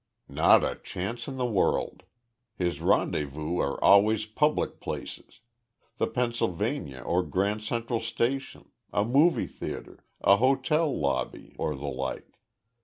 "Not a chance in the world. His rendezvous are always public places the Pennsylvania or Grand Central Station, a movie theater, a hotel lobby, or the like.